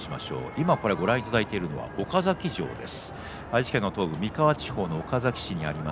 今、見ていただいているのは岡崎城です。